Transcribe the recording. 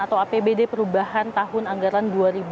atau apbd perubahan tahun anggaran dua ribu lima belas